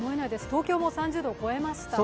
東京も３０度を超えました。